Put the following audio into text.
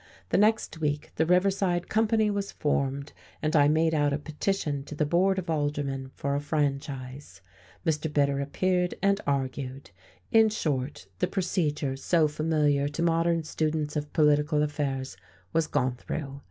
The next week the Riverside Company was formed, and I made out a petition to the Board of Aldermen for a franchise; Mr. Bitter appeared and argued: in short, the procedure so familiar to modern students of political affairs was gone through.